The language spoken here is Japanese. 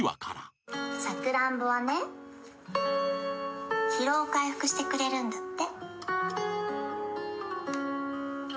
「サクランボはね疲労回復してくれるんだって」